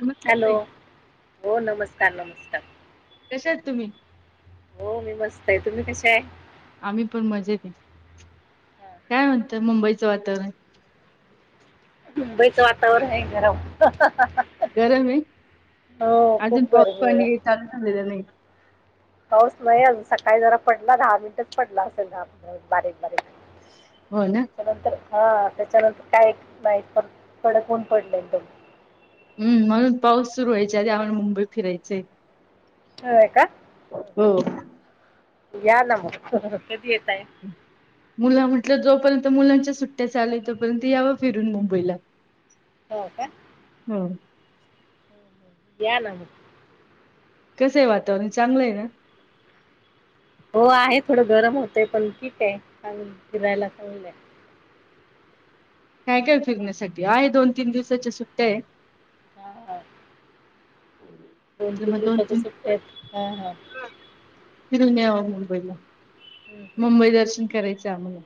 नमस्कार हॅलो ताई हो नमस्कार, नमस्कार कशा आहात तुम्ही? हो मी मस्त आहे. तुम्ही कशा हाय. आम्ही पण मजेत ए हा, हा. काय म्हणत मुंबईचं वातावरण? मुंबईचं वातावरण आहे गरम गरम ए हो अजून खूप पाऊस गरमी आहे पाणी, चालू झालेलं नाही का? पाऊस नाही अजून सकाळी जरा पडला दहा मिनिटच पडला असेल, दहा मिनिट बारीक बारीक हो ना. त्याच्यानंतर हा त्याच्यानंतर काय नाही, पण कडक ऊन पडलंय पण हम् म्हणून पाऊस सुरू व्हयच्या आधी आम्हाला मुंबई फिरायचय. होय का? हो. या ना म कधी येता? मुलं म्हटलं जोपर्यंत मुलांच्या सुट्ट्या चालूएत तोपर्यंत याव फिरून मुंबईला हो का? हो. या ना मग? कसं आहे वातावरण? चांगलं आहे ना. हो आहे थोडं गरम होतंय, पण ठीक हाये चांगल फिरायला चांगलय. काय काय फिरण्यासाठी आहे? दोन तीन दिवसाच्या सुट्ट्या आहे. हा हा. दोन म्हटलं मग तीन दिवसाच्या सुट्ट्या दिवस आहेत. हा हा. फिरून यावं मुंबईला हम्म, हम्म. मुंबई दर्शन करायचंय आम्हाला.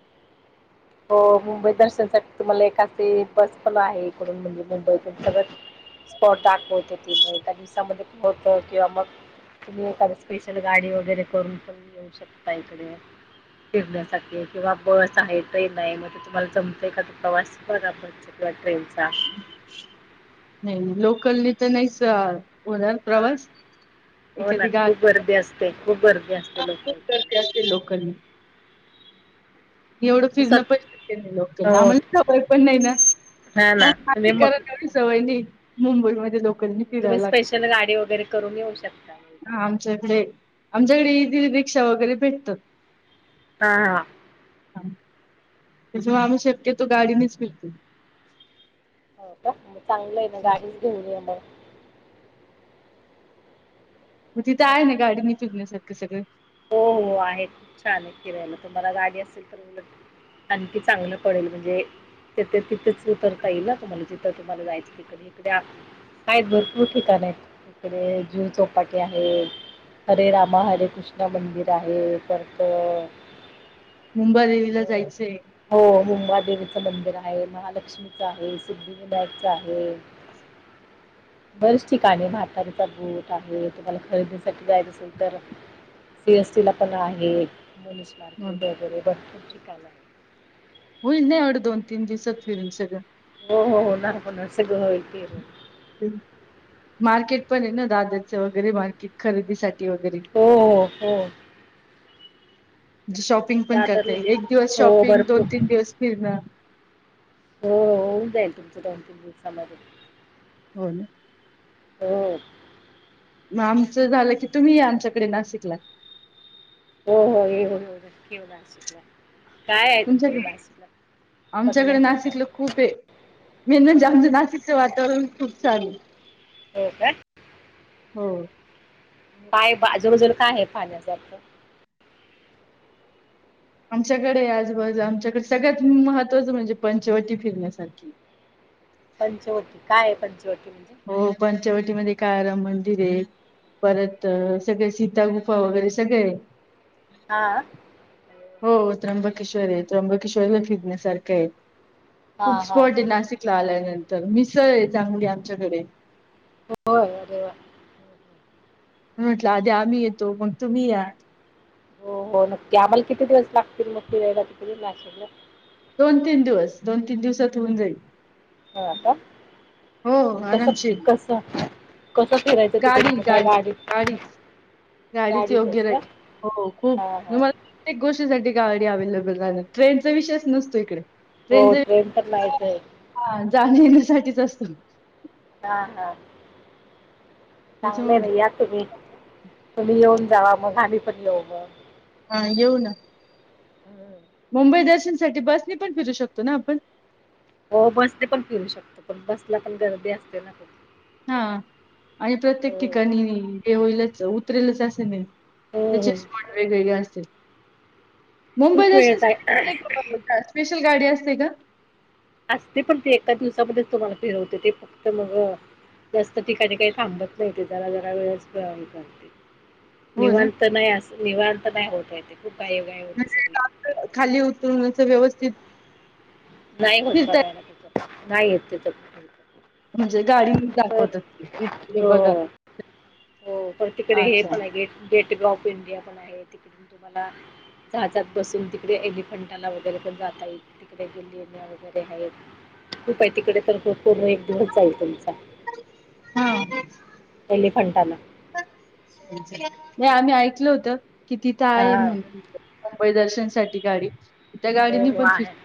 हो मुंबई दर्शनसाठी तुम्हाला एक अशी बस पण आहे. इकडून म्हणजे मुंबईतून सगळ स्पॉट दाखवत्याती मग एका दिवसामध्ये होत किंवा मग तुम्ही एखाद स्पेशल गाडी वगैरे करून पण येऊ शकता इकडे फिरण्यासाठी किंवा बस आहेत. ट्रेन आहे मग तुम्हाला जमतंय का तो प्रवास? बघा तो बसचा किंवा ट्रेनचा नाही, लोकलनी तर नाहीच होणार हां प्रवास हो ना एखादी खूप गर्दी असते गाडी खूप गर्दी असते [unintelligible] लोकांकडे करते तुम्ही असे लोकलनी एवढं फिरणं पण स्वतः शक्य नाही, लोकलला हो आम्हाला सवय पण नाही ना हा ना तुम्ही [unintelligible] मग करत ह सवय नाही मुंबईमध्ये लोक गाडीने तुम्ही फिरायला लागत स्पेशल गाडी वगैरे करून येऊ शकता इकडे हा आमच्या इकडे आमच्याकडे ईजी रिक्षा वगैरे भेटतात. हा हा. त्याच्यामुळे आम्ही शक्यतो गाडीनेच फिरतो. हो का मग चांगलं आहे ना गाडीच घेऊन या मग मग तिथे आहे ना गाडी नि फिरण्यासारखं सगळं हो हो आहे खूप छान आहे, फिरायला तुम्हाला गाडी असेल तर उलट आण ती चांगलं पडेल म्हणजे अ तिथे तिथेच उतरता येईल ना, तुम्हाला जिथं तुम्हाला जायचं तिकडे इकडे आहेत भरपूर ठिकाण आहेत जुहू चौपाटी आहे. हरे रामा हरे कृष्ण ते मंदिर आहे परत अ मुंबा देवीला जायचंय. हो मुंबा देवीचं मंदिर आहे, महालक्ष्मीचं आहे, सिद्धिविनायकच आहे. [inaudible] बरीच ठिकाणी म्हातारीचा बूट आहे तुम्हाला खरेदीसाठी जायचं असेल तर, सीएसटी ला पण आहेस म्हणून मार्केट वगैरे भरपूर ठिकाण आहे [unintelligible] होईल नाही एवढं दोन तीन दिवसात फिरून सगळं! हो हो होणार होणार सगळं होईल फिरुन मार्केट पण ना दाद्याच वगैरे मार खरेदीसाठी वगैरे. हो हो हो म्हणजे शॉपिंग पण करताय दादरला एक दिवस हो शॉपिंग भरपूर दोन तीन दिवस फिरणं हो होऊन जाईल तुमचं दोन तीन दिवसामध्ये हो ना हो मग आमचं झालं की तुम्ही आमच्याकडे नाशिकलात हो हो ये हो हो नक्की हो नाशिकला काय आहे तुमच्याकडे माशीला बघण्यासारखा मीनज आच नाशिकच वातावरण खूप चाल हो का! हो! पाय बाजूजूर काय आहे पाण्यासारखं आमच्याकडे आजबाजू आमच्याकडे सगळ्यात महत्त्वाचं म्हणजे पंचवटी फिरण्यासारखी [inaudible] पंचवटी काय आहे पंचवटी म्हणजे? म कायराम मंदिर आहे परत सगळे सीतागु्फा वगैरे सगळे आहे. हा हो त्र्यंबकेश्वर आहे त्र्यंबकेश्वरला फिरण्यासारखे आहेत. खूप हां हां स्पॉट आहे नाशिकला आल्यानंतर मिसळ आहे चांगली आमच्याकडे होय अरे वा! म्हटलं आधी आम्ही येतो मग तुम्ही या हो हो नक्की आम्हाला किती दिवस लागतील मग फिरायला तिकडे नाशिकला? दोन तीन दिवस दोन तीन दिवसात होऊन जाईल. होता हो कस आरामशीर कस कसं फिरायचं तिकडे गाडी त काय गाडी गडी गाडीच गाडीच योग्य राहि हो खूप हा त हा मला प्रत्येक गोष्टीसाठी गाडी अवेलेबल आहे ना ट्रेनचा विषयच नसतो इकडे हो ट्रेनचा ट्रेन तर नाहीचय जाण येण्यासाठीच असतो. हा हा त्याच्या चांगले भ या तुम्ही तुम्ही येऊं [unintelligible] जावा मग गाणी पण येऊ मग ये ना हम्म. मुंबई द ठी बसने पण फिरू शकतो ना आपण हो बस ते पण फिरू शकतो पण बसला पण गर्दी असते ना ख हा आणि प्रत्येक ठिकाणी हे होईलच उतरेलच असे नाही हो त्याचे हो स्पॉट वेगवेगळे असते मुंबई खूप वेळ दर्शनसाठी जाय कुठे एक स्पेशल गाडी असते का असते पण ते एका दिवसामध्येच तुम्हाला फिरवते ते फक्त मग जास्त ठिकाणी काही थांबत नव्हते जरा जरा वेळच प्रळावी करते हो ना. निवांत नाही अस निवांत नाही होतय ते म्हणजे खाली उतरण्याच व्यवस्थित नाही म्हणता फिरता काय ना त्या नाही येत त्याच म्हणजे गाडी परत दाखवतात हो. [unintelligible] हो पण तिकडे हे अच्छा. पण आहे गे गेट व ऑफ इंडिया पण आहे तिकडे तुम्हाला... जहाजात बसून तिकडे एलिफंटाला वगैरे पण जाता ये तिकडे गेले वगरे खूप आहे तिकडे तर हो पूर्ण एक दिवस जाईल तुमचा. हा. एलिफंटाला नाही आम्ही ऐकल होत की तिथं हा आहे म्हणून मुंबई दर्शनसाठीठी गाडी. त्या हो, गाडीनी हो पण आहे, फिरता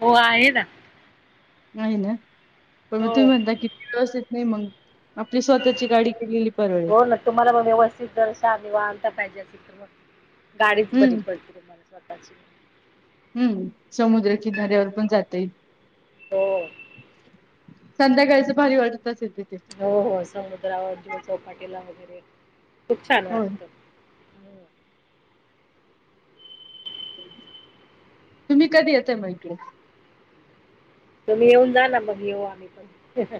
हो आहे ना. नाही ना, पण मग हो तुम्ही म्हणता किती दिवस येत नाही मग? आपली स्वतःची गाडी केलेली परवडेल. हो ना तुम्हाला मग व्यवस्थित [unintelligible] गाडीच बरी हम्म पडते तुम्हाला स्वतःची. हम्म समुद्र किनाऱ्यावर पण जातय. हो. संध्याकाळचं भारी वाटत असेल. तिथे. हो हो समुद्रावर किंवा चौपाटीला वगैरे.. खूप छान हो. वाटतं. हम्म. तुम्ही कधी येतंय मग इकडं? तुम्ही येऊन जा ना मग येऊ आम्ही पण.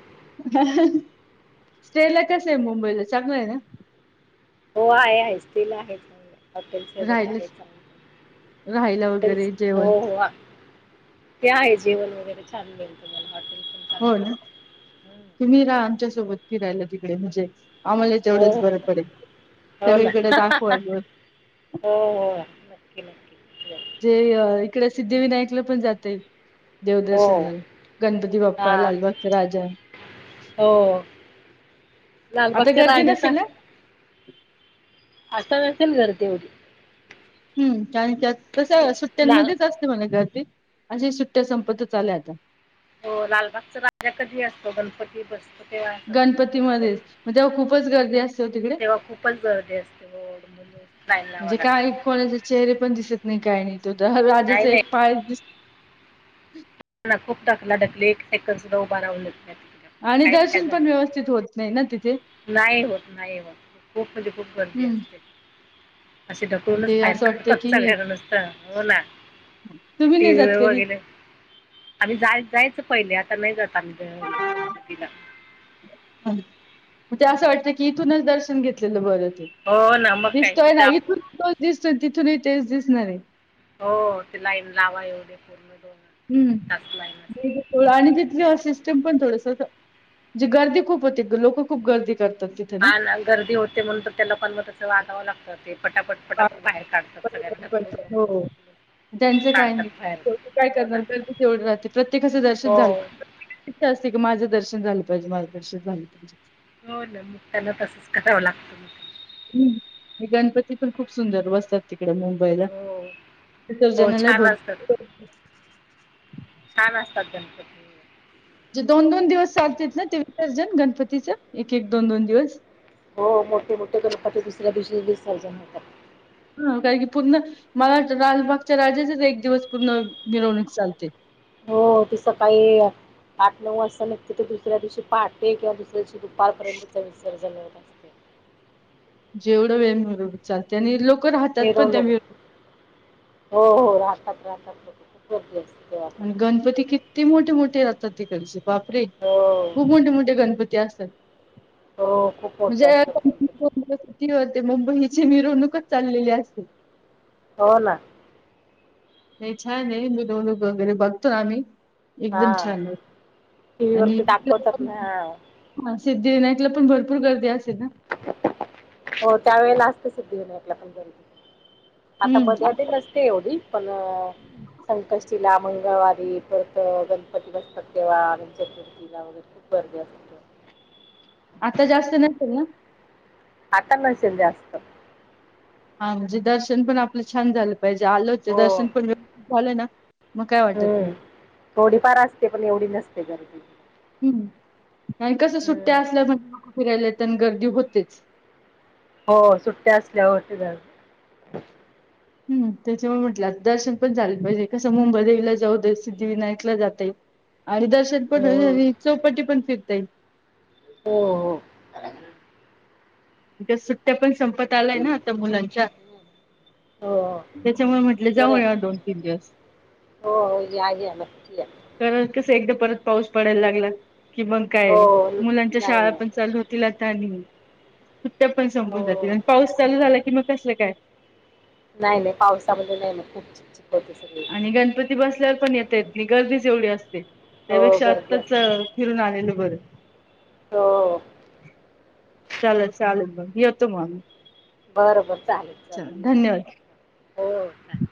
स्टे ला कस आहे हो मुंबईला चांगलं आहे ना? हो आहे आहे स्टील आहे चांगल. हॉटेल्स वैगरे आहेत राहिलच चांगले, राहायला हॉटेल्स वगैरे जेवण हो, हो, आहेत. ते आहे जेवण वगैरे छान मिळेल तुम्हाला हॉटेल पण हो चांगले ना आहेत. हम्म. तुम्ही रा आमच्या सोबत फि राहिला तिकडे म्हणजे आम्हाला तेवढंच हो बरं पडेल हो ना सगळीकडे दाखवाल पन. रिकामा ऑडिओ जे इकडे सिद्धिविनायकला पण जाता येईल. हो देवदर्शना गणपती बाप्पा हा लालबागचा राजा. हो आता लालबागच्या गर्दी राजाचा नसेल ना! आता नसेल गर्दी एवढी. हम् आणि त्यात तस लाल सुट्ट्यांमध्येच असते मला तर. अशी सुट्ट्या संपत्तचं आल्या आता. हो लालबागचा राजा कधी असतो? गणपती बसतो. तेव्हा असतो लालबागचा राजा गणपतीमध्येच मग तेव्हा खूपच गर्दी असते हो तिकडे. तेव्हा खूपच गर्दी असते हो मुली लाईन लावा म्हणजे काय लागते कोणाचे चेहरे पण दिसत नाही. काय नाही. तो तर नाही राजाचा नाही एक पाय दिसत. ना खूप ढकला ढकली [unintelligible] आणि काय दर्शन फायदा पण नाही व्यवस्थित होत नाही ना तिथे. नाही होत नाही होत खूप म्हणजे खूप गर्दी हम्म असते. असे ढकलूनच ते बाहेर असं वाटतं काढतात की सगळ नुसतं हो ना. मी तुम्ही ती नाही व्ही जात कधी वर [unintelligible] आम्ही जाय जायच पहिले आता नाही जात आम्ही ग गणपतीला. म्हणजे असं वाटत की इथूनच दर्शन घेतलेलं बरं. हो ना मग काय दिसतोय तिथं ना आप इथून तो दिसतोय तिथूनही तेच दिसणार आहे. होत ती लाईन लावा एवढी. हम्मो आणि तथली अ पण थोडस म्हणे गर्दी खूप होती लोक खूप गर्दी करतात तिथे ना आणि गर्दी होते म्हणून तर त्याला पण म त्याच वागावं लागतं ते. फटापट पटापट बाहेर काढतात सगळ्यांना ढकलूनकलून हो ढकलून. त्यांचं काय काढतात बाहेर नाही काय हो ना करणार गर्दी तेवढी राहते प्रत्येकाचं दर्शन हो झाल... इ असते की माझं दर्शन झालं पाहिजे माझं दर्शन झालं पाहिजे. हो ना मग त्यांना तसच करावं लागतं म. हम्म गणपती पण खूप सुंदर बसतात ती इडे मुंबईला हो हो विसर्जनाला छान असतात भरपूर. छान असतात गणपती जे दोन-दोन दिवस चालते ना ते विसर्जन गणपतीचं एक एक दोन-दोन दिवस. हो मोठे-मोठे गणपती दुसऱ्या दिवशीच विसर्जन होतात. हा कारण की पूर्ण मला राजबागच्या राजाचाच एक दिवस पूर्ण मिरवणूक चालते. हो ते सकाळीआ. आठ नऊ वाजता नते तर ते दुसऱ्या दिवशी पहाटे किंवा दुसऱ्या दिवशी दुपारपर्यंत विसर्जन करत असते. जेवढं वेळम चालते आणि लोक. राहतात पण त्या मिरवणूक हो हो राहतात राहतातक खूप गर्दी असते. तेव्हा आणि पण. गणपती किती मोठे-मोठे राहतात तिकडचे. बापरे खूप मोठे-मोठे गणपती असतात. हो हो खूप मोठे म्हणजे. असतात गणपती ते मुंबईची मिरवणूकच चाललेली असते. हो ना. नाही छान आहे मिरवणूक वगैरे बघतो आम्ही. एकदम हा छान आहे टीव्ही आणि. वरती दाखवतात ना हा. सिद्धीविनायकला पण भरपूर गर्दी असेल ना. हो त्या वेळेलास्त सुिद्धी घेन आपलं पण गर्दी. आता मधी हम्म आधी नसते एवढी पण संकष्टीला म्हण. गवारी परत गणपती नसतात तेव्हा अनंत चतुर्थीला वगैरे खूप गर्दी असते. आता जास्त नाहीत ग. आता नसेल जास्त. हा म्हणजे दर्शन पण आपलं छान झालं पाहिजे आलं होते हो दर्शन पण व्यवस्थित झालं ना. मग काय वाटत नाही हम्म थोडीफार असते पण एवढी नसते घरी. हम्म आणि कस सुट्ट्या असल्या म्हण लोक फिरायला तर आणि गर्दी होतेच. हो सुट्ट्या असल्या होते. हम्म त्याच्यामुळे म्हटलं दर्शन पण झाले पाहिजे कसं मुंबई देवीला जाऊ दे सिद्धिविनायकला जातय. आणि दर्शन हो पण चौपटी पण फिरताई. हो हो. सुट्ट्या पण संपत आलाय ना आता मुलांच्या. हो त्याच्यामुळे म्हटले बरं जाऊ आहे. या दोन तीन दिवस. हो हो या या. या. कारण कसं एकदा परत पाऊस पडायला लागला. कि मंग काय हो मुलांच्या नाही शाळा नाही पण चालू होतील आता आणि. सुट्या पण हो. संपून जातील आणि पाऊस चालू झाला की मग कसलं काय. नाही नाही पावसामध्ये नाही ना खूप. होते सगळी. आणि गणपती बसल्यावर पण येता येत नाही गर्दीच एवढी असते. हो त्यापेक्षा गर्दी आत्ताच असते. फिरून आलेल बरं. हो ले चालेल बघ यतो माला. बर बर चालेल चाल या ठी हो चालेल.